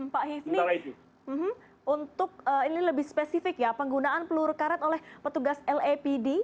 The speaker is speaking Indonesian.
pak hivni untuk ini lebih spesifik ya penggunaan peluru karet oleh petugas lapd